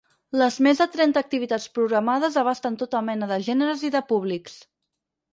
Les més de trenta activitats programades abasten tota mena de gèneres i de públics.